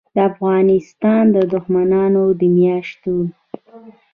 دافغانستان دښمنانودمیاشتو